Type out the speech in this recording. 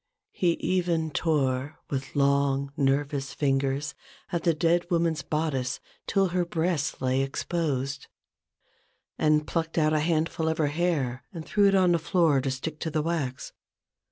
He even tore with long nervous fingers at the dead woman's bodice till her breasts lay exposed ; and plucked out a handful of her hair and threw it on the floor to stick to the wax.